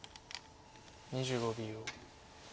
２５秒。